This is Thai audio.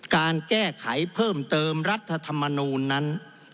การแก้ไขเพิ่มเติมรัฐธรรมนูลนั้น